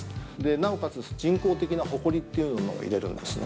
なおかつ、人工的なホコリというものを入れるんですね。